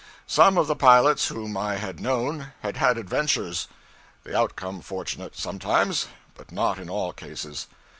Some of the pilots whom I had known had had adventures the outcome fortunate, sometimes, but not in all cases.